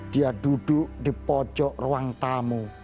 dia duduk di pojok ruang tamu